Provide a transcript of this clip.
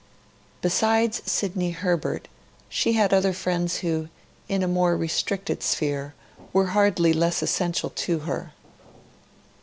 Besides Sidney Herbert, she had other friends who, in a more restricted sphere, were hardly less essential to her.